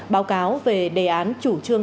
báo cáo về đề án chủ trương